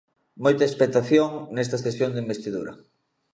Moita expectación nesta sesión de investidura.